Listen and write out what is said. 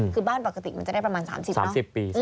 คือบ้านปกติมันจะได้ประมาณ๓๐๓๐ปี